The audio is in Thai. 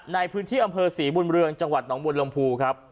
ในพื้นที่อำเภอ๔บรูลเรืองจังหวัด๒บวลลำพูครับ